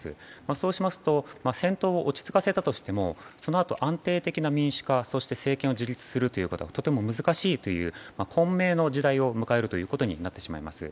そうしますと戦闘を落ち着かせたとしてもそのあと安定的な民主化そして政権を樹立するということが特に難しいという混迷の時代を迎えるということになってしまいます。